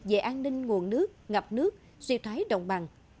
về an ninh nguồn nước ngập nước siêu thái đồng bằng